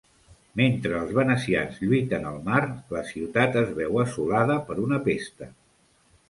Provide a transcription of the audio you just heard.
Mentre els venecians lluiten al mar, la ciutat es veu assolada per una pesta.